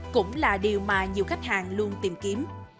cũng là điều mà nhiều khách hàng luôn tìm kiếm